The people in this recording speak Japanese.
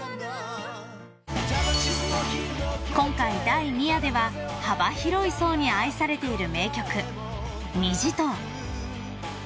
［今回第２夜では幅広い層に愛されている名曲『虹』と］